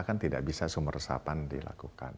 kan tidak bisa sumber resapan dilakukan